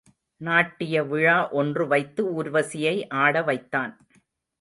நாட்டிய விழா ஒன்று வைத்து ஊர்வசியை ஆட வைத்தான்.